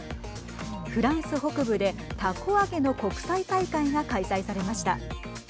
フランス北部でたこ揚げの国際大会が開催されました。